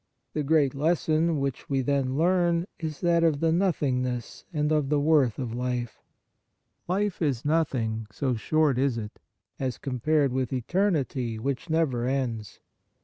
The great lesson which we then learn is that of the nothingness and of the worth of life. Life is nothing, so short is it, as compared with eternity On the Exercises of Piety which never ends.